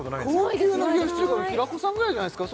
高級な冷やし中華平子さんぐらいじゃないすか？